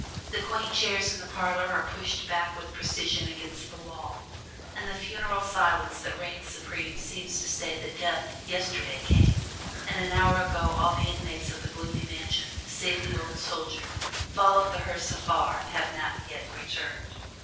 The quaint chairs in the parlors are pushed back with precision against the wall, and the funereal silence that reigns supreme seems to say that death yesterday came, and an hour ago all the inmates of the gloomy mansion, save the old soldier, followed the hearse afar and have not yet returned.